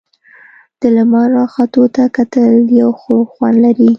د لمر راختو ته کتل یو خوږ خوند لري.